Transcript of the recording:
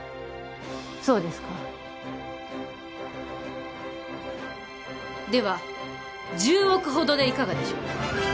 そうですかでは１０億ほどでいかがでしょう？